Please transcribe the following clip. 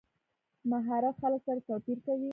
مهارت خلک سره توپیر کوي.